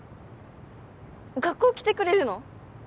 学校来てくれるの？